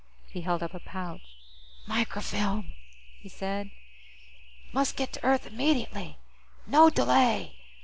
He held up a pouch. "Microfilm," he said. "Must get to Earth immediately. No delay.